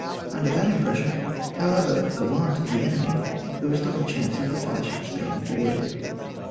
Under that im pression, however gallant the enemy, there was little chance of the fireships being boarded.